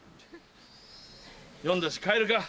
読んだし帰るか。